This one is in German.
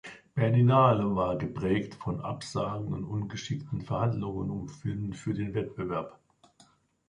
Berlinale war geprägt von Absagen und ungeschickten Verhandlungen um Filme für den Wettbewerb.